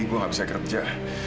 gue gak bisa kerja